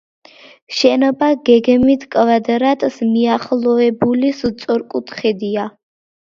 შენობა გეგმით კვადრატს მიახლოებული სწორკუთხედია.